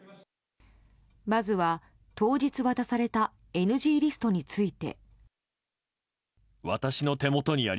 まずは、当日渡されたＮＧリストについて。